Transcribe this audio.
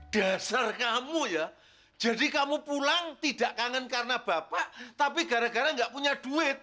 dasar kamu ya jadi kamu pulang tidak kangen karena bapak tapi gara gara gak punya duit